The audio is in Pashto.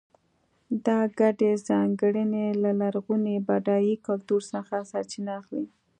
دا ګډې ځانګړنې له لرغوني بډای کلتور څخه سرچینه اخلي.